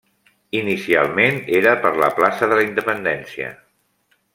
Inicialment era per la plaça de la Independència.